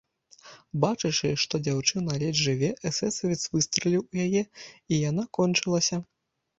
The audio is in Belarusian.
Бачачы, што дзяўчына ледзь жыве, эсэсавец выстраліў у яе, і яна кончылася.